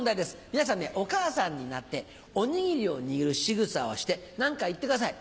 皆さんねお母さんになっておにぎりを握るしぐさをして何か言ってください。